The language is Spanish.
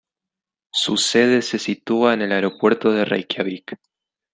Su sede se sitúa en el Aeropuerto de Reykjavík.